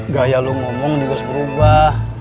gaya lu ngomong juga harus berubah